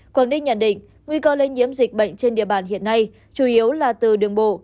quảng ninh nhận định nguy cơ lây nhiễm dịch bệnh trên địa bàn hiện nay chủ yếu là từ đường bộ